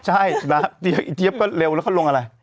ใช่อีเจี๊ยบก็เร็วแล้วเขาลงอะไร